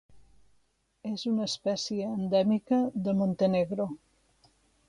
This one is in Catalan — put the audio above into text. És una espècie endèmica de Montenegro.